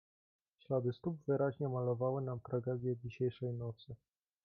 "Ślady stóp wyraźnie malowały nam tragedię dzisiejszej nocy."